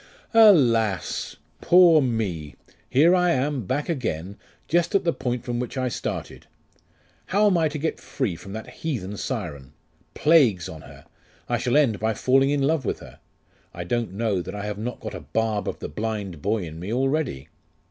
'Alas! poor me! Here I am, back again just at the point from which I started!.... How am I to get free from that heathen Siren? Plagues on her! I shall end by falling in love with her.... I don't know that I have not got a barb of the blind boy in me already.